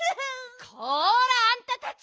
こらあんたたち！